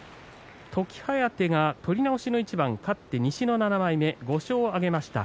時疾風が取り直しの一番勝って西の７枚目、５勝を挙げました。